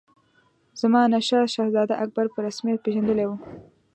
زمانشاه شهزاده اکبر په رسمیت پېژندلی وو.